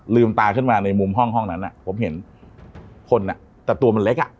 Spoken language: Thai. ตาขึ้นมาในมุมห้องนั้นผมเห็นคนแต่ตัวมันเล็กอ่ะ